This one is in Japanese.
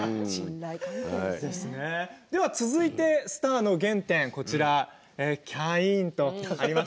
続いてスターの原点キャインです。